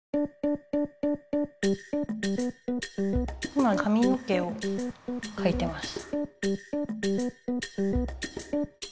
今かみの毛をかいてます。